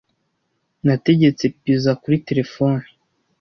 Nategetse pizza kuri terefone.